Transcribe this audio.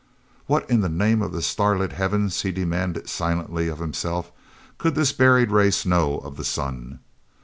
"What in the name of the starlit heavens," he demanded silently of himself, "could this buried race know of the sun?"